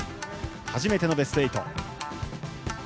初めてのベスト８。